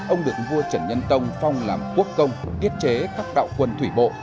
ông được vua trần nhân tông phong làm quốc công tiết chế các đạo quân thủy bộ